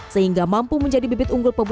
sehingga mampu menjadi bibit unggul pemuda